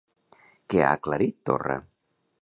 Què ha aclarit Torra?